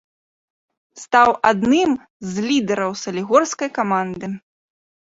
Стаў адным з лідараў салігорскай каманды.